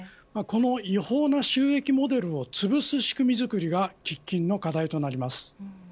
この違法な収益モデルをつぶす仕組み作りが喫緊の課題となります。